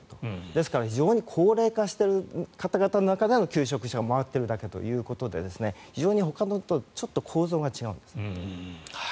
ですから非常に高齢化している方々の中での求職者が回っているだけということで非常にほかと構造が違うんです。